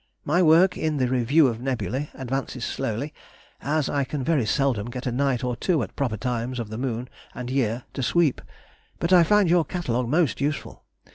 My work in the Review of Nebulæ advances slowly, as I can very seldom get a night or two at proper times of the moon and year to sweep. But I find your Catalogue most useful.